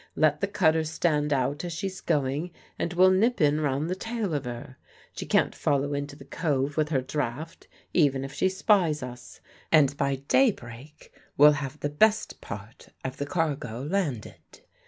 Let the cutter stand out as she's going, and we'll nip in round the tail of her. She can't follow into the Cove, with her draught, even if she spies us; and by daybreak we'll have the best part of the cargo landed."